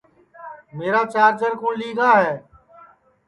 میرا چارجر کُوٹؔ لی گا ہے